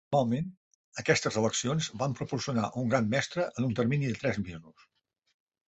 Normalment, aquestes eleccions van proporcionar un gran mestre en un termini de tres mesos.